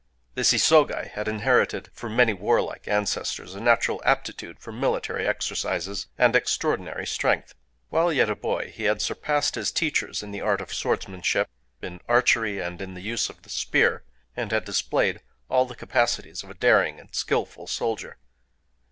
This Isogai had inherited, from many warlike ancestors, a natural aptitude for military exercises, and extraordinary strength. While yet a boy he had surpassed his teachers in the art of swordsmanship, in archery, and in the use of the spear, and had displayed all the capacities of a daring and skillful soldier.